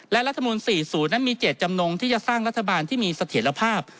และรัฐมนูล๔๐นั้นมีเจตจำนงที่จะสร้างรัฐบาลที่มีเสถียรภาพ